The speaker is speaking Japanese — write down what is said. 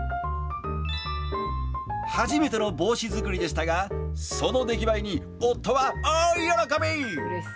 初めての帽子作りでしたがその出来栄えに夫は大喜び。